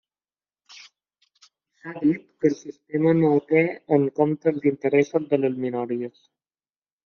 S'ha dit que el sistema no té en compte els interessos de les minories.